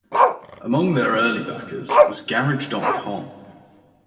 Among their early backers was Garage dot com.